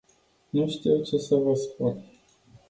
Nu știu ce să vă spun.